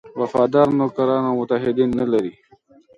وفادار نوکران او متحدین نه لري.